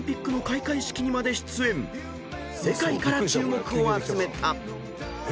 ［世界から注目を集めた］